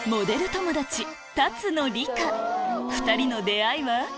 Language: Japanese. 友達２人の出会いは？